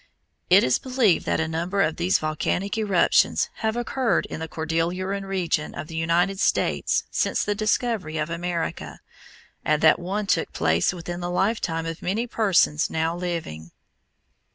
It is believed that a number of these volcanic eruptions have occurred in the Cordilleran region of the United States since the discovery of America, and that one took place within the lifetime of many persons now living.